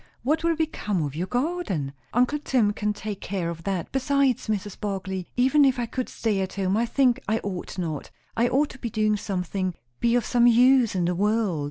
What will become of your garden?" "Uncle Tim can take care of that. Besides, Mrs. Barclay, even if I could stay at home, I think I ought not. I ought to be doing something be of some use in the world.